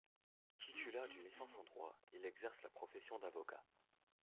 Titulaire d'une licence en droit, il exerce la profession d'avocat.